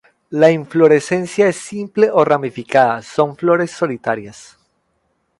La inflorescencia es simple o ramificada, con flores solitarias.